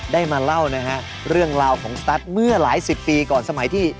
ได้มาเล่านะฮะเรื่องราวของสตัสเมื่อหลายสิบปีก่อนสมัยที่